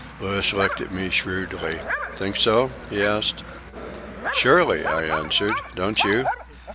Louis looked at me shrewdly. "Think so?" he asked. "Surely," I answered. "Don't you?"